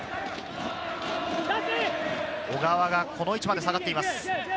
小川がこの位置まで下がっています。